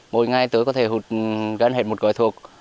mỗi ngày tôi có thể gắn hết một cơ thuộc